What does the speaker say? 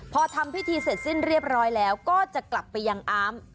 พอทำพิธีเสร็จสิ้นเรียบร้อยแล้วก็จะกลับไปยังอาม